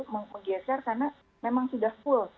menggeser karena memang sudah full